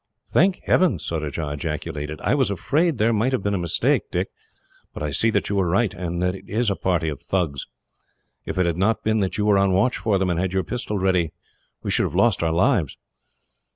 "Thank Heaven!" Surajah ejaculated. "I was afraid there might have been a mistake, Dick, but I see that you were right, and that it was a party of Thugs. If it had not been that you were on the watch for them, and had your pistol ready, we should have lost our lives."